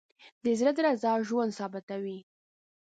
د زړه درزا ژوند ثابتوي.